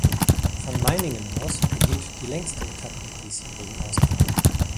Von Meiningen aus beginnt die längste Etappe der diesjährigen Ausgabe.